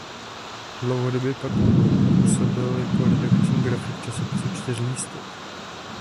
Dlouhodobě pak působil jako redakční grafik časopisu "Čtyřlístek".